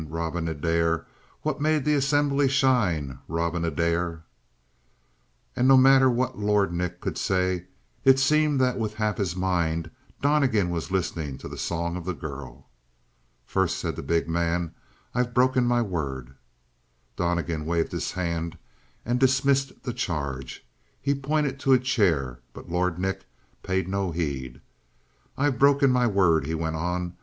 Robin Adair! What made the assembly shine? Robin Adair! And no matter what Lord Nick could say, it seemed that with half his mind Donnegan was listening to the song of the girl. "First," said the big man, "I've broken my word." Donnegan waved his hand and dismissed the charge. He pointed to a chair, but Lord Nick paid no heed. "I've broken my word," he went on.